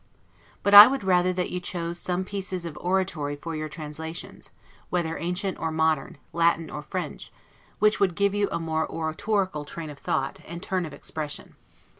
But I would rather that you chose some pieces of oratory for your translations, whether ancient or modern, Latin or French, which would give you a more oratorical train of thoughts and turn of expression.